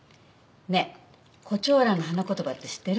ねえ胡蝶蘭の花言葉って知ってる？